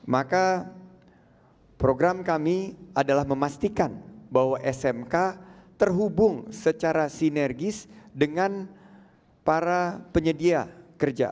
maka program kami adalah memastikan bahwa smk terhubung secara sinergis dengan para penyedia kerja